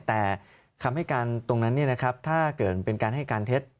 แต่คำให้การตรงนั้นเนี่ยนะครับถ้าเกิดเป็นการให้การเท็จ